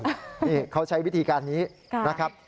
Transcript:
นี่เขาใช้วิธีการนี้นะครับ